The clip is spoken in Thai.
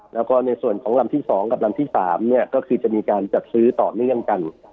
แล้วก็ในส่วนของลำที่๒กับลำที่๓ก็คือจะมีการจัดซื้อต่อเนื่องกัน